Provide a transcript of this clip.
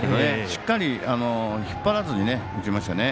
しっかり引っ張らずに打ちましたね。